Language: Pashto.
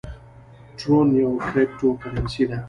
ټرون یوه کریپټو کرنسي ده